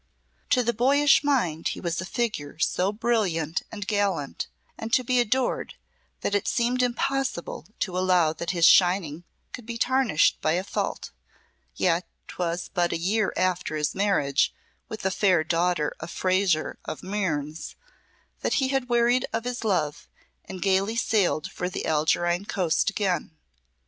To the boyish mind he was a figure so brilliant and gallant and to be adored that it seemed impossible to allow that his shining could be tarnished by a fault, yet 'twas but a year after his marriage with the fair daughter of Fraser of Mearns that he had wearied of his love and gaily sailed for the Algerine coast again.